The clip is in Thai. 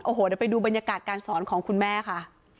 โอ้โหเดี๋ยวไปดูบรรยากาศการสอนของคุณแม่ค่ะ